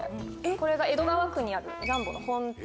これが江戸川区にあるジャンボの本店。